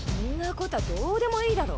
こたぁどうでもいいだろ。